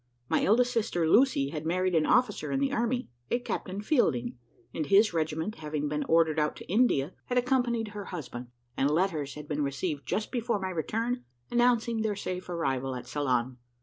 My eldest sister, Lucy, had married an officer in the army, a Captain Fielding, and his regiment having been ordered out to India, had accompanied her husband, and letters had been received just before my return, announcing their safe arrival at Ceylon.